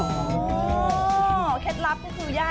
โอ้แค้นลับก็คือย่าง